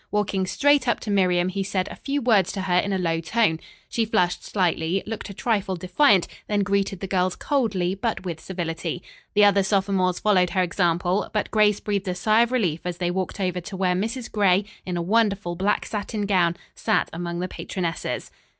Walking straight up to Miriam, he said a few words to her in a low tone. She flushed slightly, looked a trifle defiant then greeted the girls coldly, but with civility. The other sophomores followed her example, but Grace breathed a sigh of relief as they walked over to where Mrs. Gray, in a wonderful black satin gown, sat among the patronesses.